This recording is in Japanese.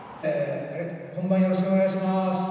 「本番よろしくお願いします」